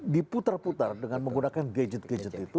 diputar putar dengan menggunakan gadget gadget itu